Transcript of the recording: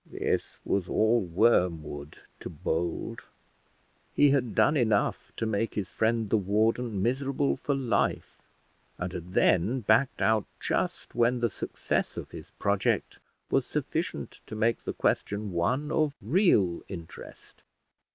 This was all wormwood to Bold. He had done enough to make his friend the warden miserable for life, and had then backed out just when the success of his project was sufficient to make the question one of real interest.